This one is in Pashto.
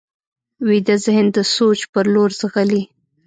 ویده ذهن د سوچ پر لور ځغلي